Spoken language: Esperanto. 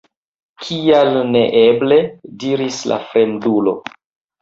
Kial neeble? diris la fremdulo.